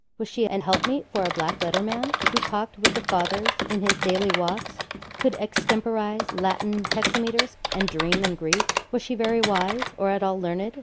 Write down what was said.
Was she an helpmeet for a black letter man, who talked with the Fathers in his daily walks, could extemporise Latin hexameters, and dream in Greek. Was she very wise, or at all learned?